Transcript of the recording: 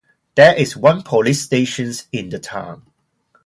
There is one police stations in the town.